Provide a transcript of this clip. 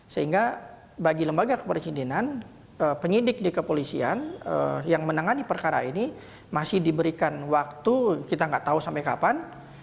sehingga bagi lembaga kepresidenan penyidik di kepolisian yang menangani perkara ini masih diberikan waktu kita nggak tahu sampai kapan